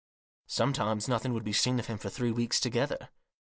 Sometimes nothing would be been of him for three weeks together.